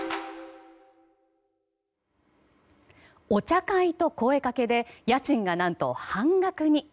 お茶会と声かけで家賃が何と半額に。